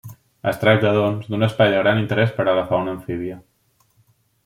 Es tracta, doncs, d'un espai de gran interès per a la fauna amfíbia.